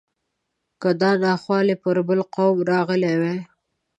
که دا ناخوالې پر بل قوم راغلی وای.